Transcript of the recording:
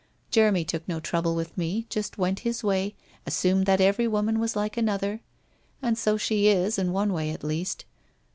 Jeremy took no trouble with me, just went his way, assumed that every woman was like another. ... And so she is, in one way, at least.